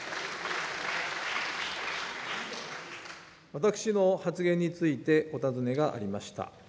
私の発言について、お尋ねがありました。